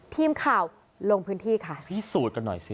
ทีมข่าวลงพื้นที่ค่ะพิสูจน์กันหน่อยสิ